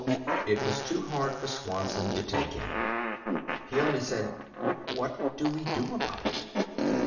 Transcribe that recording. It was too hard for Swanson to take in. He only said: "What do we do about it?"